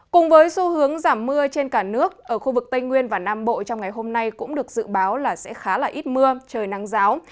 cùng với xu hướng giảm mưa trên cả nước ở khu vực tây nguyên và nam bộ trong ngày hôm nay cũng được dự báo là sẽ khá là ít mưa trời nắng giáo